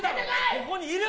ここにいる！